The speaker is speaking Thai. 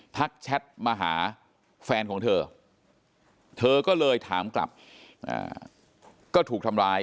แชทมาหาแฟนของเธอเธอก็เลยถามกลับก็ถูกทำร้าย